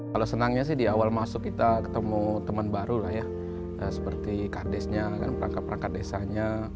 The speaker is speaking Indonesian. kalau senangnya di awal masuk kita ketemu teman baru seperti kardesnya perangkat perangkat desanya